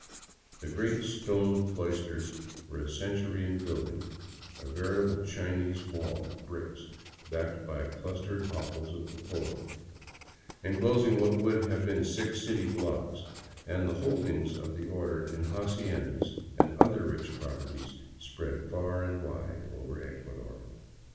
The great stone cloisters were a century in building; a veritable Chinese Wall of brick, backed by clustered hovels of the poor, encloses what would have been six city blocks, and the holdings of the order in haciendas and other rich prop erties spread far and wide over Ecuador.